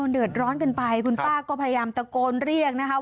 เดือดร้อนกันไปคุณป้าก็พยายามตะโกนเรียกนะคะ